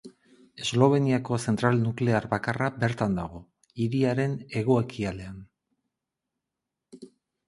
Esloveniako zentral nuklear bakarra bertan dago, hiriaren hego-ekialdean.